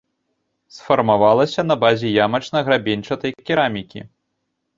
Сфармавалася на базе ямачна-грабеньчатай керамікі.